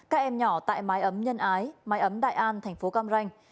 các em nhỏ tại mái ấm nhân ái mái ấm đại an thành phố cam ranh